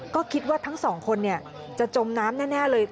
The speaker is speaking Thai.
ก็คิดว่าทั้งสองคนจะจมน้ำแน่เลย